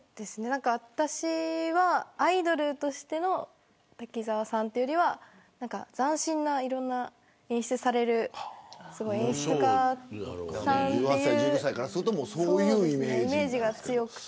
私はアイドルとしての滝沢さんというより斬新な、いろんな演出をされる演出家さんというイメージが強くて。